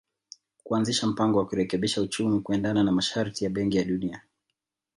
kuanzisha mpango wa kurekebisha uchumi kuendana na masharti ya Benki ya Dunia